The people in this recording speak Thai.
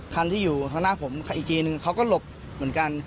คันที่อยู่ข้างหน้าผมอีกทีนึงเขาก็หลบเหมือนกัน